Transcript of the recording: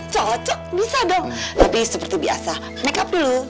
cocok bisa dong tapi seperti biasa make up dulu